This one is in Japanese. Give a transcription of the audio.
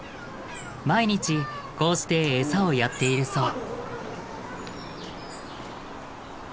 毎日こうして餌をやっているそう。